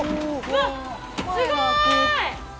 うわっすごい！